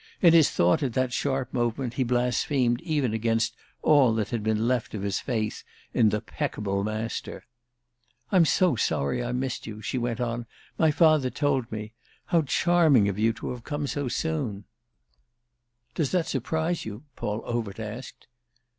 In his thought at that sharp moment he blasphemed even against all that had been left of his faith in the peccable Master. "I'm so sorry I missed you," she went on. "My father told me. How charming of you to have come so soon!" "Does that surprise you?" Paul Overt asked.